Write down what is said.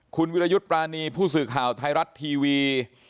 คุณวิรยุทธ์ปรานีผู้สื่อข่าวไทยรัฐทีวี